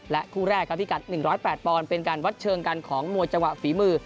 และคู่แรกครับพิกัดหนึ่งร้อยแปดปอนเป็นการวัดเชิงกันของมวยจังหวะฝีมือ